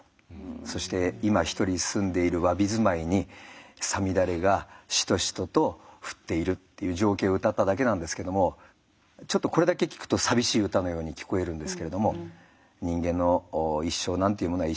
そして今ひとり住んでいるわび住まいに五月雨がシトシトと降っているっていう情景をうたっただけなんですけどもこれだけ聞くと寂しい歌のように聞こえるんですけれども人間の一生なんていうものは一瞬の出来事だと。